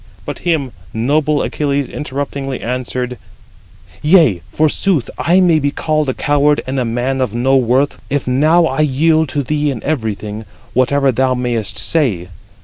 But him noble Achilles interruptingly answered: "Yea, forsooth, 34 I may be called a coward and a man of no worth, if now I yield to thee in everything, whatever thou mayest say.